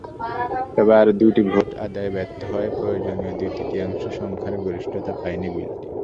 তবে আরও দুটি ভোট আদায়ে ব্যর্থ হওয়ায় প্রয়োজনীয় দুই-তৃতীয়াংশ সংখ্যাগরিষ্ঠতা পায়নি বিলটি।